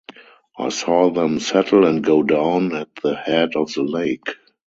I saw them settle and go down at the head of the lake.